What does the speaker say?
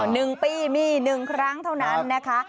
หนึ่งปีมีหนึ่งครั้งเท่านั้นนะคะ